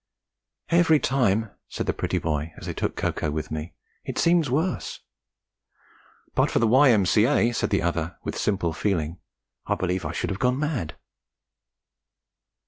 'Every time,' said the pretty boy, as they took cocoa with me, 'it seems worse.' 'But for the Y.M.C.A.,' said the other, with simple feeling, 'I believe I should have gone mad.'